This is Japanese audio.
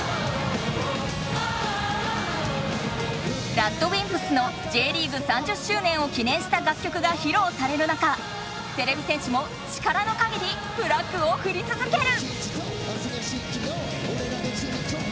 ＲＡＤＷＩＭＰＳのＪリーグ３０周年を記念したがっきょくがひろうされる中てれび戦士も力のかぎりフラッグをふりつづける！